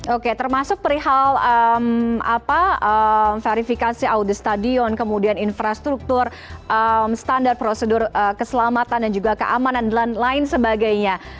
oke termasuk perihal verifikasi audi stadion kemudian infrastruktur standar prosedur keselamatan dan juga keamanan dan lain sebagainya